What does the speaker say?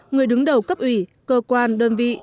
người đứng đầu cấp ủy cơ quan đơn vị